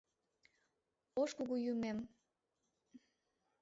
— Ош Кугу Юмем!